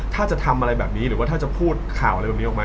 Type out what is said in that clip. ถ้าจะทำอะไรแบบนี้หรือว่าถ้าจะพูดข่าวอะไรแบบนี้ออกมา